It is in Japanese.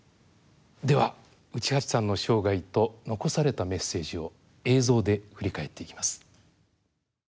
では内橋さんの生涯と残されたメッセージを映像で振り返っていきます。